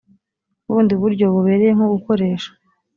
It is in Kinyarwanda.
bundi buryo bubereye nko gukoresha